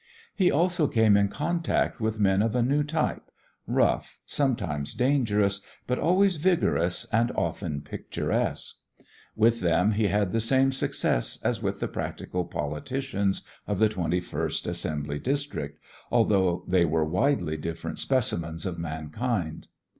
He also came in contact with men of a new type, rough, sometimes dangerous, but always vigorous and often picturesque. With them he had the same success as with the practical politicians of the Twenty first Assembly District, although they were widely different specimens of mankind.